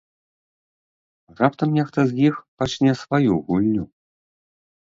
Раптам нехта з іх пачне сваю гульню?